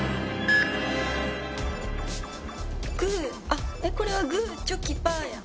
あっ、これはグーチョキパーや！